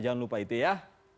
jangan lupa itu ya